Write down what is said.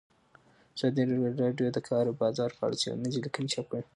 ازادي راډیو د د کار بازار په اړه څېړنیزې لیکنې چاپ کړي.